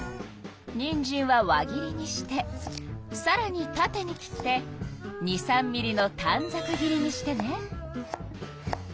にんじんは輪切りにしてさらにたてに切って２３ミリのたんざく切りにしてね。